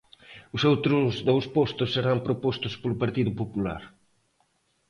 Os outros dous postos serán propostos polo Partido Popular.